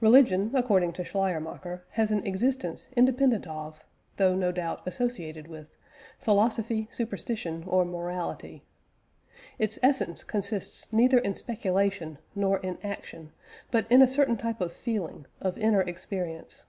Religion, according to Schleiermacher, has an existence independent of (though, no doubt, associated with) philosophy, superstition, or morality. Its essence consists neither in speculation nor in action, but in a certain type of feeling, of inner experience.